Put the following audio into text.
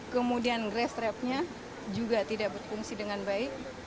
kemudian grass trapnya juga tidak berfungsi dengan baik